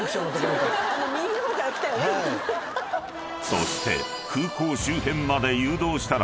［そして］